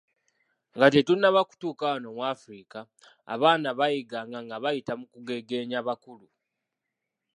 Nga tetunnaba kutuuka wano mu Afirika abaana baayiganga nga bayita mu kugegeenya bakulu